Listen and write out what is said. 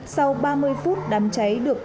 sau ba mươi phút đám cháy được